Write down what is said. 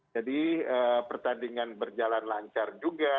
jadi pertandingan berjalan lancar juga